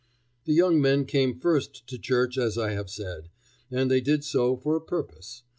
The young men came first to church, as I have said, and they did so for a purpose.